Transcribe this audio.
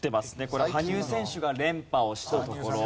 これ羽生選手が連覇をしたところ。